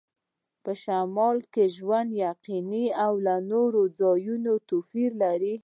په شمال کې ژوند یقیناً له نورو ځایونو توپیر لري